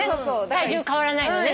体重変わらないのね。